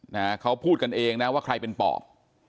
นะฮะเขาพูดกันเองนะว่าใครเป็นปอบ